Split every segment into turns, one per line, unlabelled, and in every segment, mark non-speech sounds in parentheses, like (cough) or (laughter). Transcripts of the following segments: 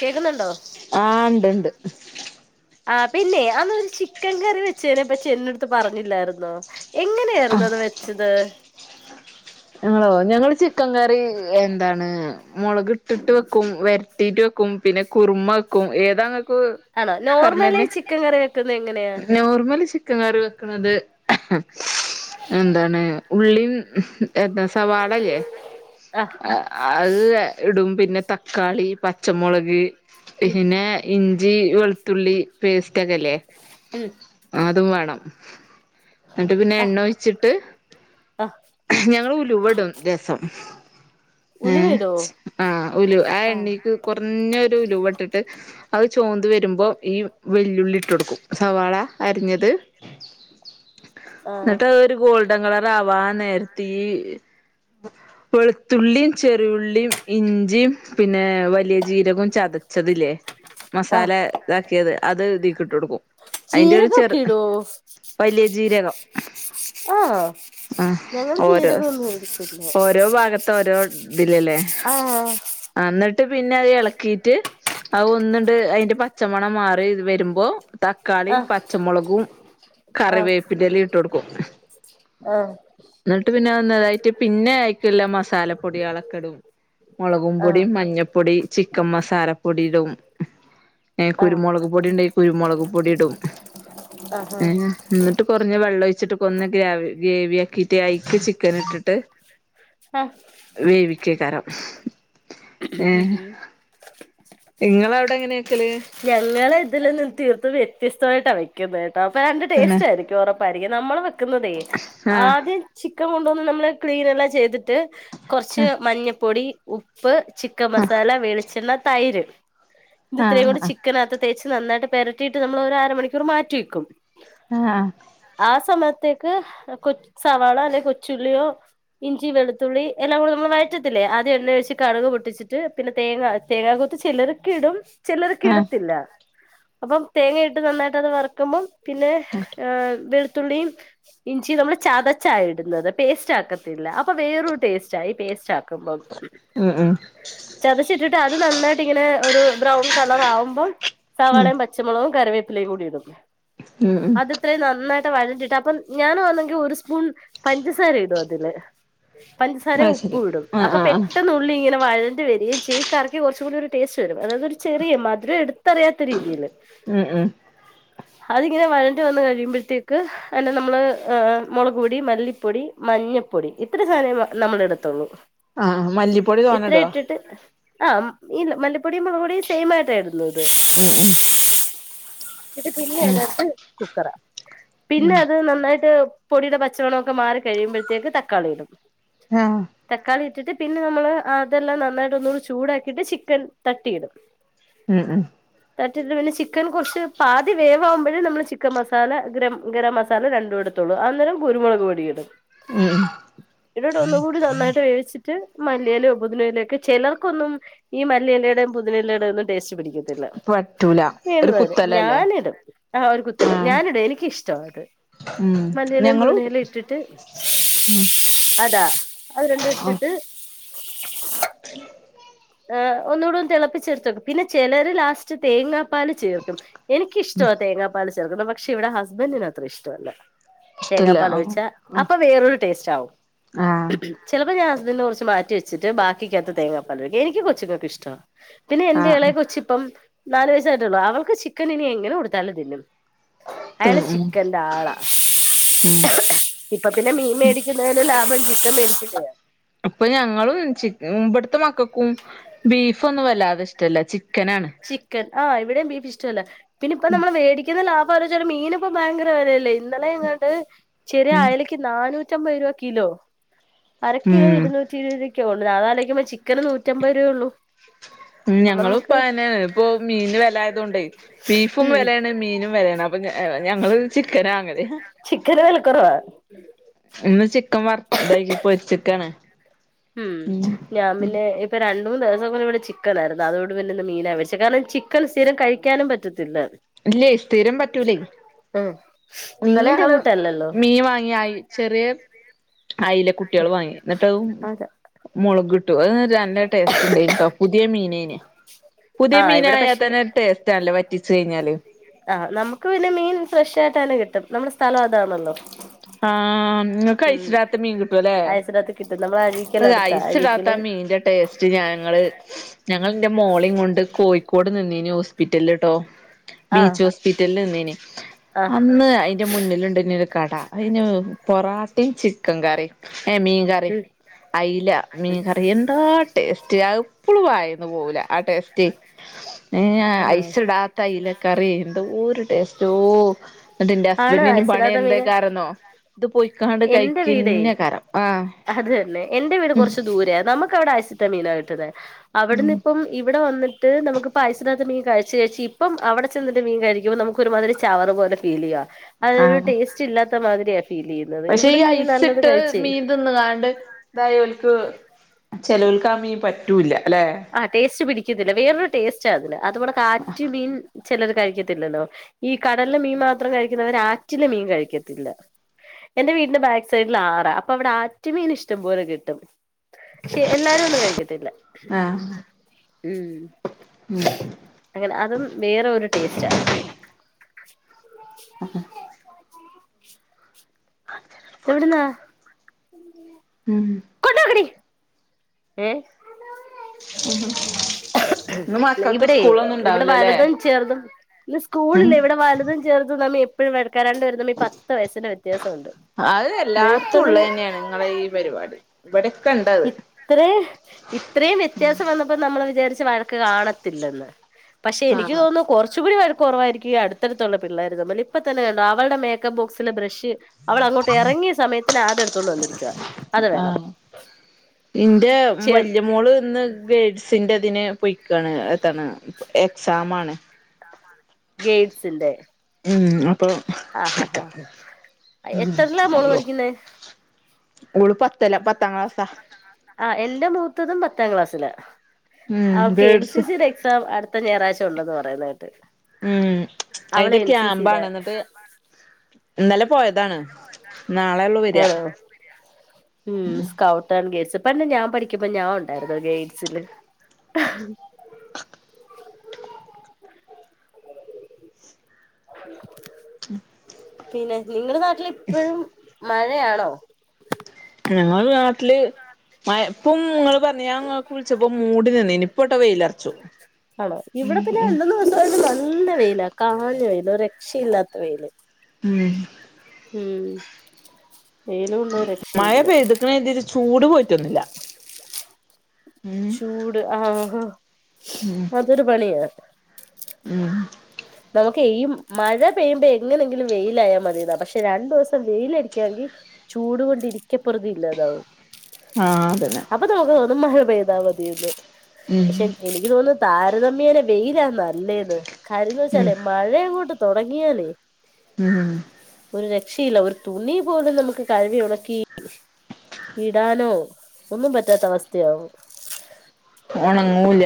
കേക്കുന്നുണ്ടോ
ആഹ് ഇണ്ട്ണ്ട്
പിന്നെ അന്നൊരു ചിക്കൻ കറി വെച്ചേനെപ്പറ്റി എൻ്റെടുത്ത് പറഞ്ഞില്ലായിരുന്നോ എങ്ങനെയായിരുന്നു അത് വെച്ചത്
ഞങ്ങളോ ഞങ്ങള് ചിക്കൻ കറി എന്താണ് മുളക് ഇട്ടിട്ട് വെക്കും വരട്ടീട്ട് വെക്കും പിന്നെ കുറുമ വെക്കും ഏതാ
ആണോ നോർമലി
ണെ
ചിക്കൻ കറി വെക്കുന്നത് എങ്ങനെയാ
നോർമല് ചക്കൻകറി വെക്കുന്നത് എന്താണ് ഉള്ളിം സവാളല്ലേ
ആ
അത് ഇടും പിന്നെ തക്കാളി പച്ചമുളക്
ഉം
പിന്നെ ഇഞ്ചി വെളുത്തുള്ളി പേസ്റ്റ് റ്റകല്ലേ
ഉം
അതും വേണം എന്നിട്ട് പിന്നെ
ആ
എണ്ണ ഒിച്ചിട്ട്
ആ
ഞങ്ങ ഉലുവടും രസം
ഉലുവയിടോ
ആ ഉലു ആ എണ്ണീക്ക് കുറഞ്ഞൊരു ഉലു വട്ടിട്ട് ചോന് വരുമ്പോ ഈ വെല്ലുള്ളി ഇട്ട് കൊടുക്കും സവാള അരിഞ്ഞത്
ആ
എന്നിട്ട് അത് ഒരു ഗോൾഡൻ കളർ ആവാ നേര വെളുത്തുള്ളിയും ചെറിയുള്ളിയും ഇഞ്ചിയും പിന്നെ വലിയ ജീരകവും ചതച്ചതില്ലേ
ആ
മസാല ഇതാക്കിയത് അത് ഇതെക്കിട്ട് കൊടുക്കും അതിന്റെ ഒരു ചെറു
ജീരകൊക്കെ ഇടോ
വലിയ ജീരകം
ആഹ
ആഹ്
ഞങ്ങ
ഓരോ ഓരോ ഭാഗത്ത ഓരോ ഇതില്ലല്ലേ
ആ
എന്നിട്ട് ഇട്ട് പിന്നെ അത് ഇളക്കിയിട്ട് അ ഒന്നിണ്ട് അതിന്റെ പച്ചമണം മാറിത് വരുമ്പോ
ആ
തക്കാളിയും പച്ചമുളകും കറിവേപ്പിന്റെ ഇല ഇട്ട് കൊടുക്കും
ആഹ
എന്നിട്ട് പിന്നെ വന്നതായിട്ട് പിന്നെ ആയിക്കല്ല മസാലപ്പൊടികളക്കെടും മുളകും
ആ
പൊടിയും
ആ
മഞ്ഞപ്പൊടി ചിക്കൻ മസാലപ്പൊടീടും ഏ
ആ
കുരുമുളക് പൊടി ഉണ്ട കുരുമുളക് പൊടി ഇടും ഏ എന്നിട്ട് കുറഞ്ഞ വെള്ളം ഒഴ വച്ചിട്ട് കൊന്ന് ഗ്രാവി ഗ്രേവി ആക്കിട്ട് അക്ക് ചിക്കൻ ഇട്ടിട്ട്
ആ
വേവിക്ക കരം
ഹ ഹും
നിങ്ങവിടെ എങ്ങനെയ
ഞങ്ങള് ഇതില് നി തീർത്ത വ്യത്യസ്തമായിട്ടാ വെക്കുന്നത് കേട്ടോ അപ്പൊ രണ്ട്
തന്നെ
ടേസ്റ്റ് ആയിരിക്കും ഉറപ്പ രിക്ക നമ്മൾ വെക്കുന്നതേ
ആഹ്
ആദ്യം ചിക്കൻ കൊണ്ടന്ന് നമ്മള് ക്ലീൻല്ലാം ചെയ്തിട്ട് കുറച്ച് മഞ്ഞപ്പൊടി ഉപ്പ് ചിക്കൻ മസാല വെളിച്ചെണ്ണ തൈര് ഇ ഇത്രയും
ആഹ്
കൂടെ
ആഹ്
ചിക്കനക പ്രത്യേകച്ച് നന്നായിട്ട് പെരട്ടിയിട്ട് നമ്മൾ ഒരു അര മണിക്കൂർ മാറ്റി വെക്കും
ആഹ
ത്തേക്ക് കൊ സവാള അല്ലെങ്ക കൊച്ചുള്ളിയോ ഇഞ്ചി വെളുത്തുള്ളി എല്ലാം കൂടെ നമ്മൾ വഴറ്റത്തില്ല അത് എണ്ണ ഒഴിച്ച് കടുക് പൊട്ടിച്ചിട്ട് പിന്നെ തേങ്ങ തേങ്ങാകോത്ത് ചിലരോക്കെ ഇടും ചിലർക്ക്
ആഹ് ആഹ്
ഇടത്തില്ല അപ്പം തേങ്ങ ഇട്ട് നന്നായിട്ട് അത് വറക്കുമ്പം പിന്നെ വെളു ത്തുള്ളിയും ഇഞ്ചി നമ്മള് ചതച്ചായി ഇടുന്നത് പേസ്റ്റ് ആക്കത്തില്ല അപ്പൊ വേറൊരു ടേസ്റ്റ ആ ഇ പേസ്റ്റ് ആകുമ്പോ
ഉം ഉം
ചതച്ച് ഇട്ടിട്ട് അത് നന്നായിട്ട് ഇങ്ങനെ ഒരു ബ്രൗ കളറാവകുമ്പോ
ഉം ഉം
സവാളയും പച്ചമുളകും കറിവേപ്പിലയും കൂടി ഇടും
ഉം
അതിത്രയും നന്നായി വഴണ്ടിട്ട് അപ്പം ഞാൻ അന്നെങ്കിൽ ഒരു സ്പൂൺ പഞ്ചസാര ഇടും അതില് പഞ്ചസാര
അത് ശരി
ഉപ്പ് ഇടും
ആഹ്
അപ്പൊ
ആഹ് ആഹ്
പെട്ടെന്നുള്ളി ഇങ്ങനെ വഴ വരയും ചെയ്യും കറിക്ക് കുറച്ചും കൂടി ഒരു ടേസ്റ്റ് അതായത് ഒരു ചെറിയ മധുരം എടുത്തറിയാത്ത രീതിയിയില്
ഉം ഉം
അതിങ്ങനെ വഴണ്ടി വന്ന് കഴിയുമ്പോഴത്തേക്ക് അന്നെ നമ്മള് മുളക്പൊടി മല്ലിപ്പൊടി മ മഞ്ഞപ്പൊടി ഇത്ര സാധനം നമ്മള എടുത്തുള്ളൂ
ആഹ് മല്ലിപ്പൊടി തോനെ
ഇത്ര
ഇടോ
ഇട്ടിട്ട് ആ് ഈ മല്ലിപ്പൊടിയും മുളക്പ്പൊടിയും സെയിംമായിട്ടാ ഇടുന്നത്
ആഹ ഉഹ
പിന്നെത്ത് കുക്കറ
ഉം
പിന്നെ അത് നന്നായിട്ട് പൊടിയുടെ പച്ചവളൊക്കെ മാറി കഴിയുമ്പോഴത്തേക്ക് തക്കാളി ഇടും
ആഹ്
തക്കാളി ഇട്ടിട്ട് പിന്നെ നമ്മള് അതെല്ലാം നന്നായിട്ട് ഒന്നുകൂടി ചൂടാക്കിട്ട് ചിക്കൻ തട്ടിയിടും
ഉം ഉം
തറ്റിട്ട് പിന്നെ ചിക്കൻ കുറച്ച് പാതി വേവാകുമ്പോഴും നമ്മൾ ചിക്കൻ മസാല ഗ്ര ഗരം മസാല രണ്ടും എടുത്തും ത്തു അന്നേരം കുരുമുളക് പൊടിഇടും
ഉം ഉം
എന്നിട്ട് ഒന്നുകൂടി നന്നായിട്ട് വേവിച്ചിട്ട് മല്ലിയയിലോ ബുധനയിലയ ഒക്കെ മല്ലിയിലും പുതിനയിലും ചിലർക്കൊന്നും ഈ മല്ലിയയിലയുടെയും പുതനിലയുടെയും ഒന്നും ടേസ്റ്റ് പിടിക്കില്ല ല്ല
പറ്റൂല ഒരു
വീണതല്
കുത്തലല്ലേ
ഞാനിടും ആഹ് ഒരു കുത്തില
ആഹ്
ഞാനിടും എനിക്കിഷ്ടം അതൊക്കെ
ഉം
മല്ലിയയിലയും
ഞങ്ങളും ഇടും
പുതിനിലും ഇട്ടിട്ട്
ഉം
അതാ അത്
ആഹ്
രണ്ടുട്ടിട്ടു
(unintelligible)
അ ഒന്നൂടി ഒന്ന് തിളപ്പിച്ചെടുത്ത് വെക്കും പിന്നെ ചിലര് ലാസ്റ്റ് തേങ്ങാപ്പാൽ ചേർക്കും എനിക്കിഷ്ടമാ തേങ്ങാപ്പാൽ ചേർക്കുന്ന പക്ഷെ ഇവിടെ ഹസ്ബൻഡന് അത്ര ഇഷ്ടമല്ല തേങ്ങാ
ഇഷ്ടല്ല ആഹ്
പാലൊഴിച്ച
ഉം
അപ്പൊ വേറൊരു ടേസ്റ്റ് ആവും
ആഹ്
ചിലപ്പോ ഞാൻ ഹസ് അതിനെ കുറിച്ച് മാറ്റി വച്ചിട്ട് ബാക്കിക്കകത്ത് തേങ്ങാപ്പാൽ എനിക്ക് കൊച്ചുങ്ങൾക്ക ഇഷ്ടോ പിന്നെ എന്റെയെളെ
ആഹ്
കൊച്ചിപ്പം നാല് വയസ്സായിട്ടുള്ളു അവൾക്ക് ചിക്കൻ ഇനി എങ്ങനെ കൊടുത്താലും തിന്നും അയാൾ
തിന്നും
ചിക്കന്റെ ആളാ
ഉം
ഇപ്പൊ പിന്നെ മീൻ മേടിക്കുന്നതിന് ലാഭം ചിക്ക മേടിക്കുന്ന
അപ്പൊ ഞങ്ങളും ചിക്കൻ മ്പടുത്തെ മക്കക്കും ബീഫൊന്നും വല്ലാതെ ഇഷ്ടല്ല ചിക്ക
ചിക്കൻ ആ ഇവിടെയും ബീഫ് ഇഷ്ടമല്ല പിന്നെ ഇപ്പ നമ്മൾ മേടിക്കുന്ന ലാ ര ച മീൻ ഇപ്പോ ഭയങ്കര വിലല്ലേ ഇന്നലെ ങ്ങാട് ചെറിയ
ഉം
അയലക്ക് നാനൂറ്റ റ്റൊമ്പത് രൂപ കിലോ അരക്കിലോ
ഉം
ഇരു നൂറ്റി എഴുപത് രൂപ ക്ഓണ് അതാലക്കുമ്പ ചിക്കന് നൂറ്റമ്പത് രൂപയുള്ളൂ
ഉം ഞങ്ങളുപ്പയന്നെ ഇപ്പോ മീൻ വില ആയതുകൊണ്ടേ ബീഫും
ഉം
വിലയാണ് മീനും വിലയാണ് അപ്പ ഞ ഞങ്ങൾ ചിക്കൻ വാങ്ങൽ ഹ
കരവൽ കുറവ
ചിക്കൻ വർ ഡെയ്ലി പൊരിചിക്കാണ്
ഉം ഞാൻ പിന്നെ ഇപ്പൊ രണ്ട് മൂന്ന് ദിവസം പൊലെ ഇവിടെ ചിക്കനായിരുന്നു അതോണ്ട് ഇന്ന്പിന്നെ മീനാപൊരിച്ചേ കാരണം ചിക്കൻ സ്ഥീരം കഴിക്കാനും പറ്റത്തി
ഇല്ലേ സ്ഥിരം പറ്റൂലേ
ഉം
ഇന്നലെ
മീന്റെ
അള്
കൂട്ടല്ലല്ലോ
മീൻ വാങ്ങിയായി ചെറിയ അയിലെ കുട്ടികൾ വാങ്ങി എന്നിട്ട് അ
അതെ
മൊളകിട്ടു അത് നല്ല ടേസ്റ്റ്ണ്ടയ്ന്ട്ടോ പുതിയ മീനേന് പുതിയ
ആ ഇവിടെ പക്ഷെ
മീനായത്തന്നെ ടേസ്സ്റ്റാണല്ലോ വറ്റിച്ച് കഴിഞ്ഞാല്
ആഹ് നമുക്ക് പിന്നെ മീൻ ഫ്രഷ് ആയിട്ട് തന്നെകിട്ടും നമ്മടെ സ്ഥലം അതാണല്ലോ
ആഹ് ങ്ങൾക്ക്
ഉം
ഐസിടാത്ത മീൻ കിട്ടുംല്ലേ
അയസിനകത്ത് കിട്ടും നമ്മള അഴീക്കൽ അടുത്താ
ഐസ് ഇടാത്ത
അഴീക്കല്
മീന്റെ ടേസ്റ്റ് ഞങ്ങള് ഞങ്ങൾ ന്റെ മോളിം കൊണ്ട് കോഴ്കോ കൂടെ നിന്നേന് ഹോസ്പിറ്റലട്ടോ
ആഹ്
ബീച്ച് ഹോസ്പിറ്റല് നിന്നേന്
ആഹ്
അന്ന് അതിന്റെ മുന്നിലുണ്ട് ന്നരു കട അതിന് പൊറോട്ടയും ചിക്കൻ കറിം ഏഹ് മീൻകറിം
ഉം
അയില മീൻ കറിയെന്താ ടേ ടേസ്റ്റ് അഹ് ഇപ്പളും വായന്ന് പോകുല ആ ടേസ്റ്റ് എ
ആണോ
ഐസ് ഇടാത്ത അയിലക്കറി എന്തോരു ടേസ്റ്റോ എന്നിട്ട്ന്റെ
ആണ്
ഹസ്ബൻറിന് പണി
അയസിനകത്തെ മീന്
എന്തൊക്കൊരുന്നോ ഇത് പൊയിക്കാണ്ട്
എന്റെ വീടേ
കഴിക്കുന്നകാരം ആഹ്
അത് തന്നെ എന്റെ വീട്
ഉം
കുറച്ച് ദൂരേ നമുക്ക് അവിടെ ഐസിട്ട മീനാണ് കിട്ട്ന്ന അവിടന്ന് ഇപ്പം ഇവിടെ വന്നിട്ട് നമുക്ക് ഐസിടാത്ത മീൻ കഴിച്ച്കഴിച്ചി ഇപ്പം അവിടെ ചെന്നിട്ട് മീൻ കഴുക്കുമ്പോ നമുക്ക് ഒരുമാതിരി ചവർ പോല ഫീൽ ചെയ്യാ അതൊരു
ആഹ്
ടേസ്റ്റ് ഇല്ലാത്ത മാതിരിയ
പക്ഷെ ഈ ഐസ് ഇട്ട് മീന്തിന്ന്കാണ്ട് ഇതായോല്ക്ക് ചെലോൽക്കാമീ പറ്റൂല്ല്യ
ആ ടേസ്റ്റ് പിടിക്കുന്നില്ല വേറൊരു ടേസ്റ്റാ അതിന് അത്വ്ടെ കാറ്റ് മീൻ ചിലർ കഴിക്കത്തില്ലല്ലോ ഈ കടലിലെ മീൻ മാത്രം കഴിക്കുന്നവര് ആറ്റിലെ മീൻ കഴിക്കത്തില്ല എന്റെ വീടിന്റെ ബാക്ക് സൈഡിൽ ആറാ അപ്പൊ അവിടെ ആറ്റ്മീൻ ഇഷ്ടം പോലെ കിട്ടും ശ് എല്ലാരും ഒന്നും കഴിക്കത്തില്ല
ആഹ്
ഉം അങ്ങനെ അതും വേറെ ഒരു ടേസ്റ്റാ
ഹ് ഹ
എവിടുന്നാ (unintelligible)
ഉം
ഏഹ്
ഇന്ന് മക്കൾക്ക്
ഇവിടെ
സ്കൂളൊന്നും
ഇവിടെ
ഉണ്ടാവൂലല്ലേ
വലതും ചെറുതും ഇന്ന്
ഉം
സ്കൂളില്ല ഇവിടെ വലുതും ചെറുതും തമ്മി എപ്പ വരണ്ട് വരുതമ്മിൽ പത്ത് വയസ്സിന്റെ വ്യത്യാസമുണ്ട്
അത് എല്ലായിടത്തും ഉള്ളത്
മൂത്തതിന്
തന്നെയാണ് നിങ്ങളുടെ ഈ പരിപാടി ഇവിടൊക്കെ ഉണ്ടത്
ഇത്ര ഇത്രയും വ്യത്യാസം വന്നപ്പോ നമ്മൾ വിചാരിച്ച് വഴക്ക് കാണത്തില്ലെന്ന് പക്ഷെ എനിക്ക്
ആഹ്
തോന്നുന്നു കുറച്ചു കൂടി കുറവായിരിക്കും ഈ അടുതടുത്തുള്ള പിള്ളേരു തമ്മിൽ ഇപ്പ തന്നെ കണ്ട അവളുടെ മേക്കപ്പ് ബോക്സിലെ ബ്രഷ് അവള് അങ്ങോട്ട് ഇറങ്ങിയ സമയത്തിന് അത് എടുത്തൊണ്ട് വന്നിരിക്ക അത് വേണം
ആഹ് ഇന്റെ
ചെ
വല്യ മോള് ഇന്ന് ഗേഡ്സി എന്റെതിന് പൊയിക്കാണ് എത്താണ് എക്സാമാണ്
ഗേയ്റ്റ്സിൻ്റെ
ഉം അപ്പൊ
എത്രല്ലാ മോള്
ഉം
പഠിക്കുന്നേ
ഉൾ പത്ത്
ആഹ് എന്റെ മൂത്തതും പത്താം ക്ലാസ്സില
ഉം
അവകെ എൻ സി
ഗേഡ്സ്
സിയുടെ എക്സാം അടുത്ത ഞായറാഴ്ച്ച ഉണ്ടെന്ന് പറയുന്നത്കേട്ട്
ഉം അതിന്റെ ക്യാമ്പാണ് എന്നിട്ട് ഇന്നലെ പോയതാണ് നാളെള്ളു വരിക
ആഹ ഉം സ്കൗട്ട് ആൻ ഗെയ്ട്സ് പറഞ്ഞെ ഞാൻ പഠിക്കുമ്പം ഞാൻ ഉണ്ടായിരുന്നു ഗേയ്ഡ്സിയില് (inaudible)
(unintelligible)
പിന്നെ നിങ്ങളുടെ നാട്ടിൽ ഇപ്പോഴും മഴയാണോ
ഞങ്ങളടെ നാട്ടില് മഴ പ്പും ങ്ങ പറഞ്ഞ ഞാ ങ്ങക്കു വിളിച്ചപ്പോ മൂടി നിന്നി ഇനിപ്പോ ട്ടോ വെയിലറച്ചു.
ആണോ ഇവിടെ പിന്നെ രണ്ട് മൂന്ന് ദിവസമായിട്ട് നല്ല വെയില കാഞ്ഞ വെയിൽ ഒരു രക്ഷയില്ലാത്ത വെയില്
ഉം
ഉം വെയിലും കൊണ്ട് ഒരു
മഴ
രക്ഷയില്ല
പെയ്തുക്കണ് തി ചൂട് പോയിറ്റൊന്നില്ല
ചൂട് ആഹ ആഹ
ഉം
അതൊരു പണിയ
ഉം
നമുക്ക് ഈ മഴ പെയ്യുമ്പോ എങ്ങനെങ്കിലും വെയിലായാൽ മതിന്നാ പക്ഷെ രണ്ട് ദിസം വെയിലടിക്കാ ങ്കിൽ ചൂട് കൊണ്ടിയിരിക്കപ്പൊറിതി ഇല്ലതാവും
ആഹ് അതന്നെ
അപ്പൊ നമുക്ക് തോന്നു ഒന്ന് മഴ പോയ്താ മതിന്ന്
ഉം
പക്ഷെ എനിക്ക് തോന്നുന്നു താരതമ്യേന വെയിലാ നല്ലേന്ന് കാര്യംന്ന്
ഉം
വെച്ചാലേ മഴങ്ങോട്ട് തൊടങ്ങിയാലേ
ഉം
രക്ഷയില്ല ഒരു തുണി പോലും നമുക്ക് കഴവി ഉണക്കി ഇടാനോ ഒന്നും പറ്റാത്ത അവസ്ഥയാവും
ഉണങ്ങൂല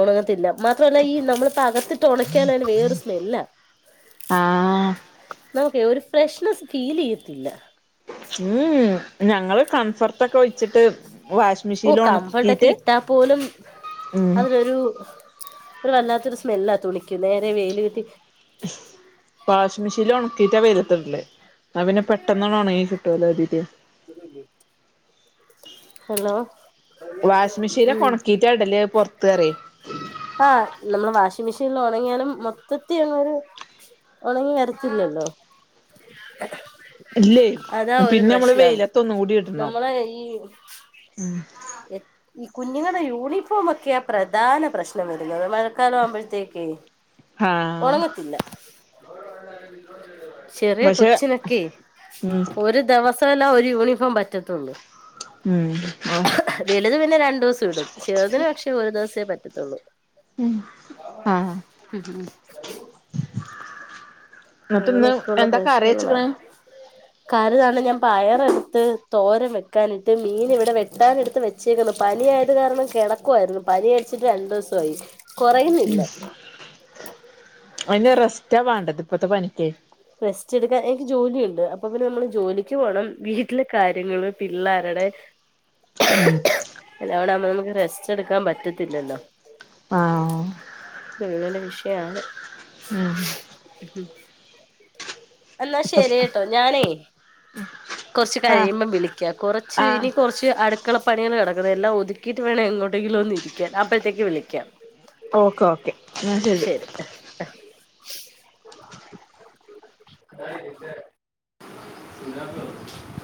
ഉണങ്ങത്തില്ല മാത്രല്ല ഈ നമ്മളിപ്പോ അകത്തിട്ട് ഉണക്കിയാല് അതിന് വേറൊരു സ്മെല്ലാ
ആഹ്
നമുക്ക് ഒരു ഫ്രഷ്നെസ്സ് ഫീൽ ചെയ്യത്തില്ല.
ഉം ഉമ് ഞങ്ങള് കൺഫേർട്ട ഒഴിച്ചിട്ട് വാഷിംഗ്
ഓ
മെഷീനിൽ
കംഫർട്ടൊക്കെ
ഉണക്കിട്ട്.
ഇട്ടാ പോലും അതിനൊരു ഒരു വല്ലാത്തൊരു സ്മെല്ലാ തുണിക്ക് നേരെ വെയില് കിട്ടി (inaudible)
വാഷിംഗ് മെഷീനിൽ ഉണക്കീട്ടാ വെയിലത്തിടല് ന്ന പിന്നെ പെട്ടെന്നണ് ഒണങ്ങിക്കിട്ടൊല്ലോ കര്തീട്ട്
(inaudible) ഹലോ
വാഷിങ്
ഉം
മെഷീനിലൊണക്കീട്ട ഇടല് പൊറത്ത് പറയേ
ആഹ് നമ്മുടെ വാഷി മെഷീനിൽ ഉണങ്ങിയാലും മൊത്തത്തി ലങ്ങൊരു ഒണങ്ങി വരത്തില്ലല്ലോ (inaudible)
ഇല്ലേയ്
അതാ ഒരു
പിന്നെ നമ്മള്
പ്രശ്നം
വെയിലത്ത് ഒന്ന് കൂടി ഇടണം
നമ്മളെ ഈ
ഉം
കുഞ്ഞുങ്ങളുടെ യൂണിഫോമൊക്കെയാ പ്രധാന പ്രശ്നം വരുന്നത് മഴക്കാലം ആവുമ്പഴത്തേക്കേ
ആഹ്
ചെറിയ
പക്ഷെ
കൊച്ചിനൊക്കെ
ഉം
ഒരു ദിവസം (unintelligible) ഒരു യൂണിഫോം പറ്റത്തുള്ളൂ
ഉം
വലുത് പിന്നെ രണ്ടൂസം ഇടും ചെറുതിന് പക്ഷെ ഒരു ദിവസേ പറ്റത്തുള്ളൂ
ആഹ്
(inaudible)
എന്നിട്ട് ഇന്ന്
അങ്ങനെയൊക്കെള്ള
എന്താ കറി വെച്ച്ക്ക്ണ്
പ്രശ്നങ്ങളാണ് (unintelligible) പയർ എടുത്ത് തോരം വെക്കാനിട്ട് മീൻ ഇവിടെ വെട്ടാന് എടുത്ത് വെച്ചേക്കുന്നു. പനി ആയത് കാരണം കിടക്കുവായിരുന്നു പനി പിടിച്ചിട്ട് രണ്ടൂസായി
ഉം അയ്ന് റെസ്റ്റാ വേണ്ടത് ഇപ്പത്തെ പനിക്കേ
റസ്റ്റ് എടുക്കാൻ എനിക്ക് ജോലിയുണ്ട് അപ്പൊ പിന്നെ നമ്മള് ജോലിക്ക് പോണം വീട്ടിലെ കാര്യങ്ങള് പിള്ളാരുടെ
ഉം
അല്ല അവിടെയാവുമ്പൊ നമുക്ക് റെസ്റ്റ് എടുക്കാൻ പറ്റത്തില്ലല്ലോ
ആഹ്
നല്ലൊരു വിഷയാണ്
ഉം
എന്നാ ശരി കേട്ടോ ഞാനേ കുറച്ച്
ആഹ്
കഴിയുമ്പം വിളിക്കാം കൊറച്ച്
ആഹ്
ഇനി കുറച്ച് അടു അടുക്കള പണികൾ കിടക്ക്ണ് എല്ലാം ഒതുക്കീട്ട് വേണം എങ്ങോട്ടെങ്കിലും ഒന്ന് ഇരിക്കാൻ അപ്പഴത്തേക്ക് വിളിക്കാം
ഓക്കേ ഓക്കേ ന്ന ശരി
(inaudible) (inaudible)